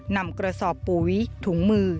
นำกระสอบปุ๋ยถุงมือ